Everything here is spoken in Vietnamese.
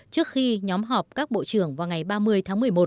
trước khi nhóm họp các bộ trưởng vào ngày ba mươi tháng một mươi một